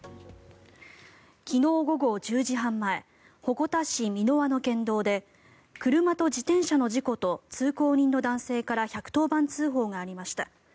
昨日午後１０時半前鉾田市箕輪の県道で車と自転車の事故と通行人の男性から１１０番通報がありました。